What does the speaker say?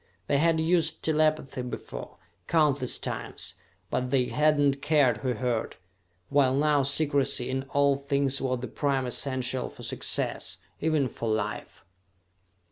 They had used telepathy before, countless times, but they had not cared who heard while now secrecy in all things was the prime essential for success, even for life.